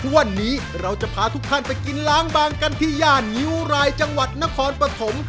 วันนี้เราจะพาทุกท่านไปกินล้างบางกันที่ย่านงิ้วรายจังหวัดนครปฐม